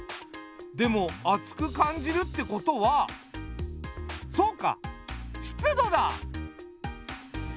でも暑く感じるってことはそうか湿度だ！